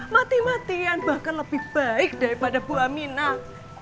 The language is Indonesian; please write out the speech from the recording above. mati matian bahkan lebih baik daripada bu aminah